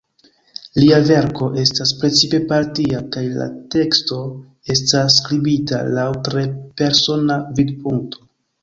Lia verko estas precipe partia, kaj la teksto estas skribita laŭ tre persona vidpunkto.